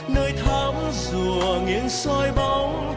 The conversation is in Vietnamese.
nơi thắm rùa nghiêng soi bóng